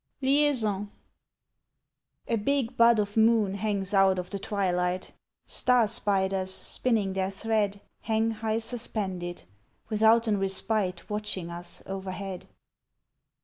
LIAISON A BIG bud of moon hangs out of the twilight, Star spiders spinning their thread Hang high suspended, withouten respite Watching us overhead.